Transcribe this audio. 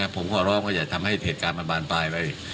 ผมขอร้องว่าอย่าทำให้เหตุการณ์มันบานปลายไป